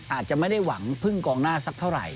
อาจจะไม่ได้หวังพึ่งกองหน้าสักเท่าไหร่